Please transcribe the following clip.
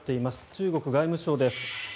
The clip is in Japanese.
中国外務省です。